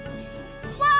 わあ！